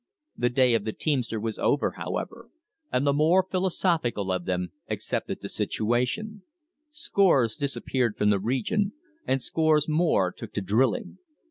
The day of the teamster was over, however, and the more philosophical of them accepted the situation; scores disappeared from the region, and scores more took to drilling.